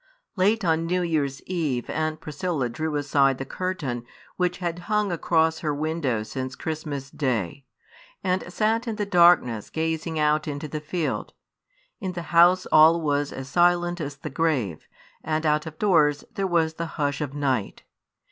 Late on New Year's Eve Aunt Priscilla drew aside the curtain which had hung across her window since Christmas Day, and sat in the darkness gazing out into the field. In the house all was as silent as the grave, and out of doors there was the hush of night.